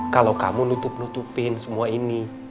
kalau kamu nutup nutupin semua ini